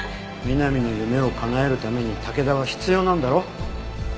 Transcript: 美波の夢を叶えるために武田は必要なんだろ？